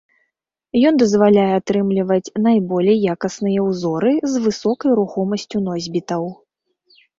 Ён дазваляе атрымліваць найболей якасныя ўзоры з высокай рухомасцю носьбітаў.